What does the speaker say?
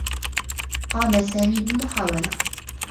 قام سامي بمحاولة.